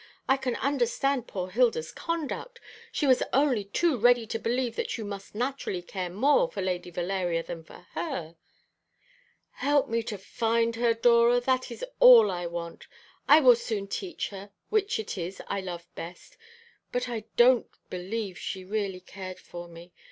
I can understand poor Hilda's conduct. She was only too ready to believe that you must naturally care more for Lady Valeria than for her." "Help me to find her, Dora. That is all I want. I will soon teach her which it is I love best. But I don't believe she really cared for me.